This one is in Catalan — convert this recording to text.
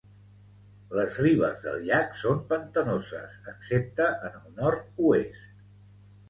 Les ribes del llac són pantanoses excepte en el nord-oest.